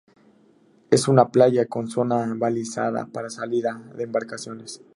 Es una playa con zona balizada para salida de embarcaciones.